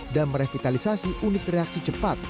dan merevitalisasi unit reaksi cepat